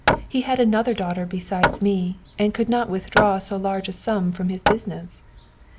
He had another daughter besides me, and could not withdraw so large a sum from his business.